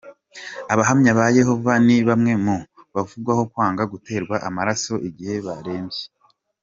Abahamya ba Yehova ni bamwe mu bavugwaho kwanga guterwa amaraso igihe barembye.